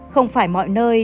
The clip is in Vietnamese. không phải mọi nơi